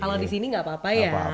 kalau di sini nggak apa apa ya